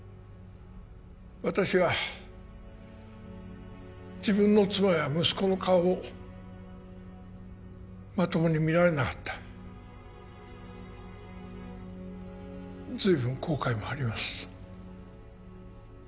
私は自分の妻や息子の顔をまともに見られなかったずいぶん後悔もあります